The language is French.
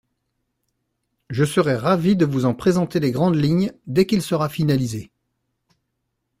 Je serai ravie de vous en présenter les grandes lignes dès qu’il sera finalisé.